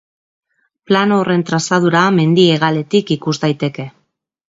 Plano horren trazadura mendi-hegaletik ikus daiteke.